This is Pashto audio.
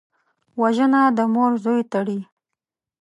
وژنه د مور زوی تړي